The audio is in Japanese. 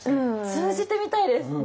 通じてみたいです！